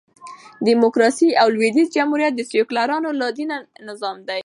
ډيموکراسي او لوېدیځ جمهوریت د سیکولرانو لا دینه نظام دئ.